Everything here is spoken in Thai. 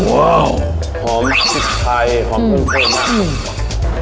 ว้าวหอมชิคกี้พายหอมเครื่องเครื่องมากอืม